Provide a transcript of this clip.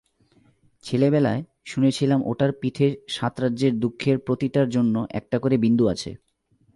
ছেলেবেলায়, শুনেছিলাম ওটার পিঠে সাত রাজ্যের দুঃখের প্রতিটার জন্য একটা করে বিন্দু আছে।